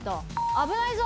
危ないぞ！